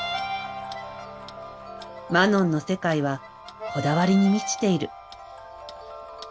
マノンの世界はこだわりに満ちている。